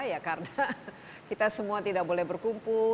ya karena kita semua tidak boleh berkumpul